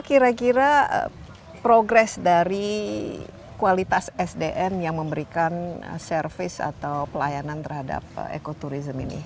kira kira progres dari kualitas sdm yang memberikan service atau pelayanan terhadap ekoturism ini